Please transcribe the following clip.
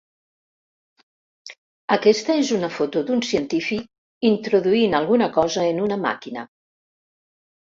Aquesta és una foto d'un científic introduint alguna cosa en una màquina.